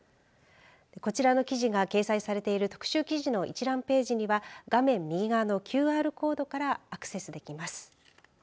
こちらの記事が掲載されている特集記事の一覧ページには画面右側のＱＲコードからアクセスできます。